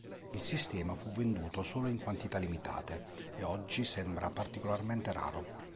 Il sistema fu venduto solo in quantità limitate e oggi sembra particolarmente raro.